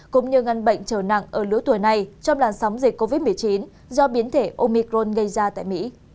cũng như ngăn bệnh trở nặng ở lứa tuổi này trong làn sóng dịch covid một mươi chín do biến thể omicron gây ra tại mỹ